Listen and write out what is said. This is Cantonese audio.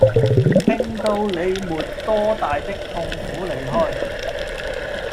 聽到你沒多大的痛苦離開